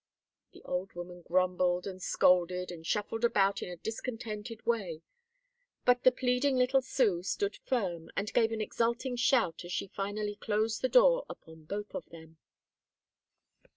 The old woman grumbled and scolded and shuffled about in a discontented way, but the pleading little Sue stood firm, and gave an exulting shout as she finally closed the door upon both of them.